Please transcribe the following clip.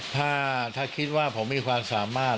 ถ้าคิดว่าผมมีความสามารถ